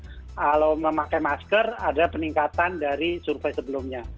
kalau memakai masker ada peningkatan dari survei sebelumnya